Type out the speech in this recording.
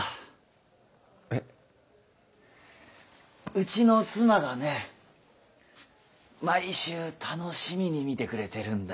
うちの妻がね毎週楽しみに見てくれてるんだよ。